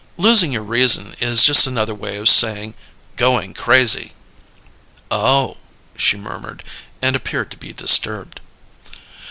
Losing your reason is just another way of saying, 'going crazy'!" "Oh!" she murmured, and appeared to be disturbed.